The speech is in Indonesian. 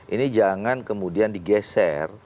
ini jangan kemudian digeser